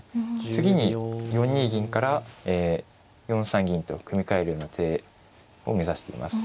次に４ニ銀から４三銀と組み替える手を目指しています。